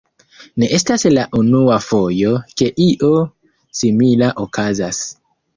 Ne estas la unua fojo, ke io simila okazas.